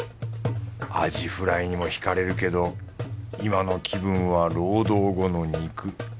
アジフライにもひかれるけど今の気分は労働後の肉。